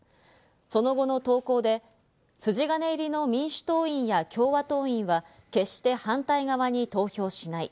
その後の投稿で、筋金入りの民主党員や共和党員は決して反対側に投票しない。